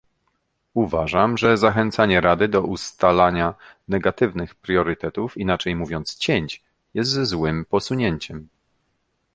Uważam, że zachęcanie Rady do ustalania negatywnych priorytetów, inaczej mówiąc cięć, jest złym posunięciem